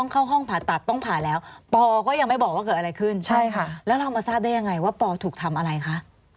เรามาทราบได้ยังไงว่าปอจริงถูกทำอะไรคะ